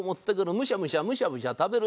むしゃむしゃむしゃむしゃ食べる。